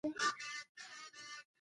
دا ژور زخمونه به په تدریجي ډول ورغېږي.